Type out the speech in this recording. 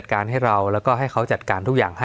สวัสดีครับทุกผู้ชม